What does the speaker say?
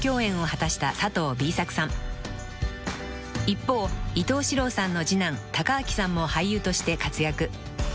［一方伊東四朗さんの次男孝明さんも俳優として活躍］